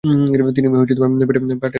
তিনি পাটের ব্যবসা করেন।